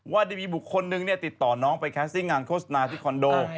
ว่าได้มีบุคคลนึงติดต่อน้องไปแคสซิ่งงานโฆษณาที่คอนโด